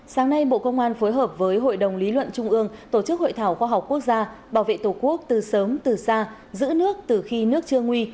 sáng nay bộ công an phối hợp với hội đồng lý luận trung ương tổ chức hội thảo khoa học quốc gia bảo vệ tổ quốc từ sớm từ xa giữ nước từ khi nước chưa nguy